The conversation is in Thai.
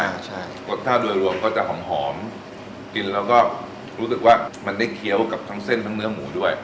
ใช่รสชาติโดยรวมก็จะหอมหอมกินแล้วก็รู้สึกว่ามันได้เคี้ยวกับทั้งเส้นทั้งเนื้อหมูด้วย